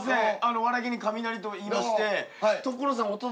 お笑い芸人カミナリといいまして。